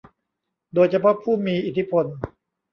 โดยเฉพาะผู้มีอิทธิพล